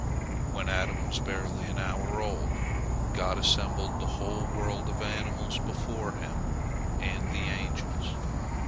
When Adam was barely an hour old, God assembled the whole world of animals before him and the angels.